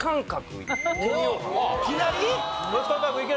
いきなり？